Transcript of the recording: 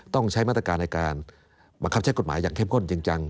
ต้องใช้มาตรการในการบังคับใช้กฎหมายอย่างเข้มข้นจริงจัง